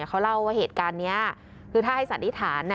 เขาเล่าว่าเหตุการณ์นี้คือถ้าให้สันนิษฐาน